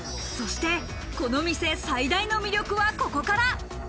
そして、このお店最大の魅力はここから。